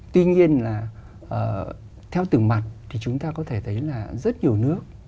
tuy nhiên là theo từng mặt thì chúng ta có thể thấy là rất nhiều nước